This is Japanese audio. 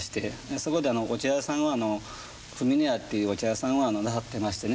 そこでお茶屋さんつみのやというお茶屋さんをなさってましてね。